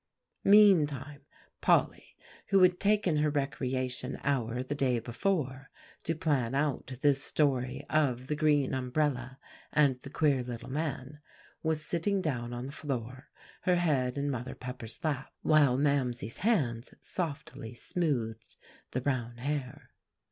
Meantime Polly, who had taken her recreation hour the day before to plan out this story of "The Green Umbrella and the Queer Little Man," was sitting down on the floor, her head in Mother Pepper's lap, while Mamsie's hands softly smoothed the brown hair.